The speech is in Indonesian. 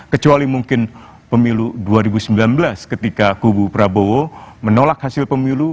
kecuali mungkin pemilu dua ribu sembilan belas ketika kubu prabowo menolak hasil pemilu